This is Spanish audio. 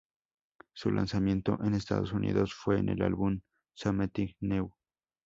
Su lanzamiento en Estados Unidos fue en el álbum "Something New".